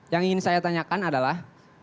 yang ingin saya tanyakan adalah